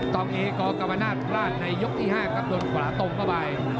ต้องเอกกรรมนาศพลาดในยกที่๕ครับโดนขวาตรงเข้าไป